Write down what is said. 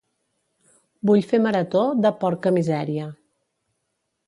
Vull fer marató de "Porca Misèria".